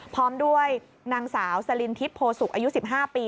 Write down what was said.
พร้อมด้วยนางสาวสลินทิพยโพสุกอายุ๑๕ปี